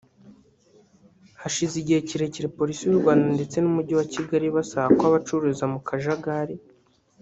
Hashize igihe kirekire Polisi y’u Rwanda ndetse n’Umujyi wa Kigali basaba ko abacururiza mu kajagari